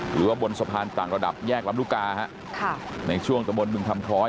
หรือว่าบนสะพานต่างระดับแยกลำลูกกาฮะค่ะในช่วงตะบนบึงคำคล้อย